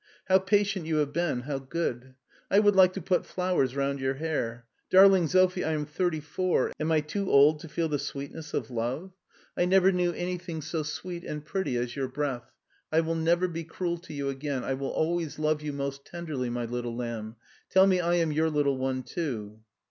How patient you have been, how good. I would like to put flowers round your hair. Darling Sophie, I am thirty four: am I ' too old to feel the sweetness of love? I never knew SCHWARZWALD 293 anything so sweet and pretty as your breath. I will never be cruel to you again; I will always love you most tenderly, my little lamb. Tell me I am your little one too."